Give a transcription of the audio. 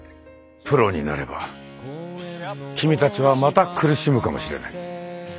プロになれば君たちはまた苦しむかもしれない。